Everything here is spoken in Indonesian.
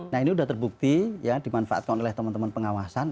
nah ini sudah terbukti ya dimanfaatkan oleh teman teman pengawasan